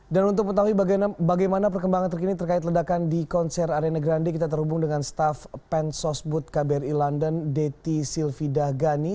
dan untuk mengetahui bagaimana perkembangan terkini terkait ledakan di konser ariana grande kita terhubung dengan staff pensosbud kbri london dety silvidah gani